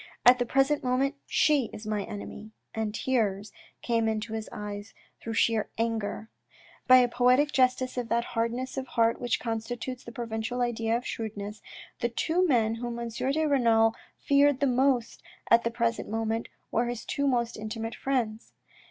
At the present moment she is my enemy," and tears came into his eyes through sheer anger. By a poetic justice for that hardness of heart which constitutes the provincial idea of shrewdness, the two men whom M. de Renal feared the most at the present moment were his two most intimate friends.